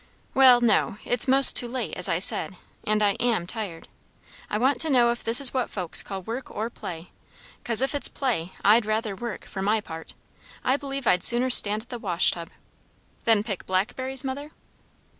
"Well, no; it's 'most too late, as I said; and I am tired. I want to know if this is what folks call work or play? 'cause if it's play, I'd rather work, for my part. I believe I'd sooner stand at the wash tub." "Than pick blackberries, mother?"